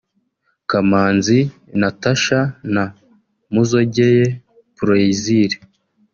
Kamanzi Natasha na Muzogeye Plaisir